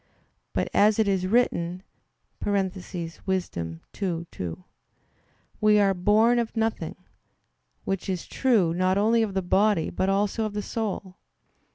But as it is written (Wis. 2:2), "We are born of nothing"; which is true, not only of the body, but also of the soul.